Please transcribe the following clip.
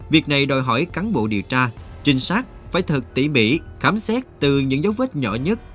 việc này đòi hỏi cán bộ điều tra trinh sát phải thật tỉ mỉ khám xét từ những dấu vết nhỏ nhất